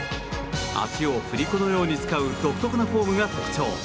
足を振り子のように使う独特なフォームが特徴。